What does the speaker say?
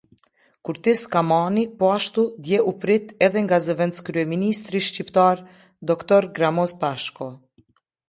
Kurtis Kamani po ashtu dje u prit edhe nga zëvendëskryeministri shqiptar, dr. Gramoz Pashko.